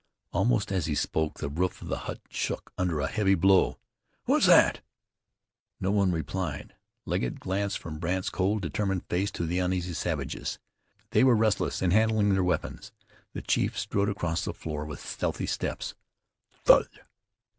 Almost as he spoke the roof of the hut shook under a heavy blow. "What's thet?" No one replied. Legget glanced from Brandt's cold, determined face to the uneasy savages. They were restless, and handling their weapons. The chief strode across the floor with stealthy steps. "Thud!"